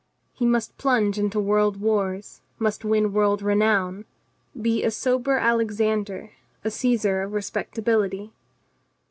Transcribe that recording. He must plunge into world wars, must win world renown, be a sober Alexander, a Caesar of respectability.